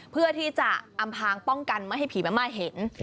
เพื่อที่จะอำพางป้องกันไม่ให้ผีแม่ม่ายเห็น